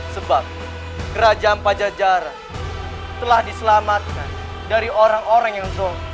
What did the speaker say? sebab kerajaan pajajar telah diselamatkan dari orang orang yang zo